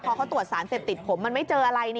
พอเขาตรวจสารเสพติดผมมันไม่เจออะไร